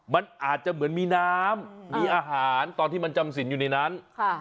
มันอาจจะเหมือนมีน้ำมีอาหารตอนที่มันจำสินอยู่ในนั้น